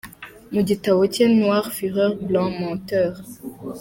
mu gitabo cye Noires fureurs, blancs menteurs.